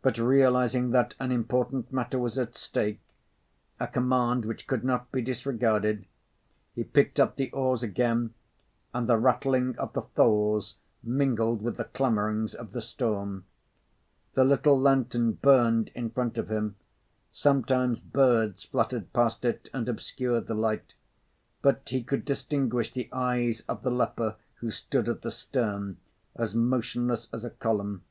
But realising that an important matter was at stake, a command which could not be disregarded, he picked up the oars again; and the rattling of the tholes mingled with the clamourings of the storm. The little lantern burned in front of him. Sometimes birds fluttered past it and obscured the light. But he could distinguish the eyes of the leper who stood at the stern, as motionless as a column.